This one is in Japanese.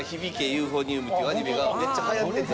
ユーフォニアム』っていうアニメがめっちゃ流行ってて。